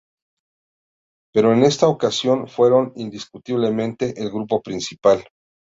Pero en esta ocasión, fueron, indiscutiblemente, el grupo principal.